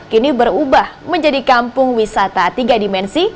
kini berubah menjadi kampung wisata tiga dimensi